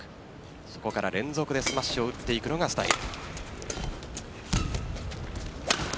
そこから連続でスマッシュを打っていくのがスタイル。